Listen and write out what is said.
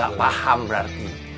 gak paham berarti